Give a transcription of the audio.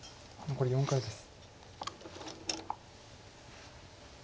残り４回です。